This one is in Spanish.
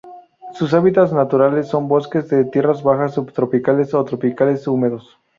Sus hábitats naturales son bosques de tierras bajas subtropicales o tropicales húmedos.